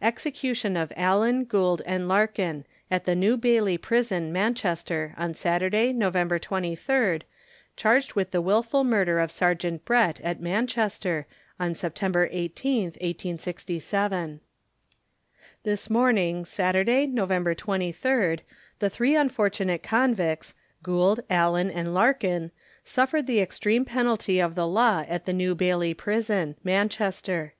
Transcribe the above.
EXECUTION OF ALLEN, GOULD, & LARKIN, At the New Bailey Prison, Manchester, on Saturday, November 23rd, charged with the Wilful Murder of Sergeant Brett, at Manchester, on September 18th, 1867. This morning, Saturday, November 23rd, the three unfortunate convicts, Gould, Allen, and Larkin, suffered the extreme penalty of the law at the New Bailey prison, Manchester.